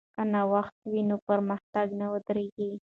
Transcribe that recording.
که نوښت وي نو پرمختګ نه ودریږي.